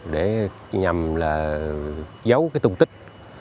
để nhầm là giấu cái tung tích